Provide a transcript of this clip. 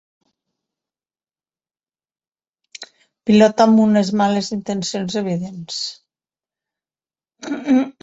Pilot amb unes males intencions evidents.